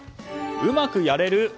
うまくやれる？